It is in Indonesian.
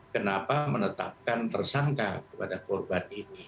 kenapa menetapkan tersangka kepada korban ini